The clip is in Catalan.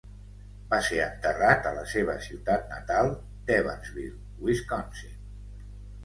Va ser enterrat a la seva ciutat natal d'Evansville, Wisconsin.